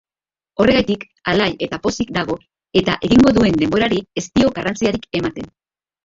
Horregatik alai eta pozik dago eta egingo duen denborari ez dio garrantziarik ematen.